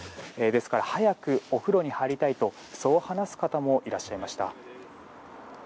ですから早くお風呂に入りたいと話す方もいらっしゃいました。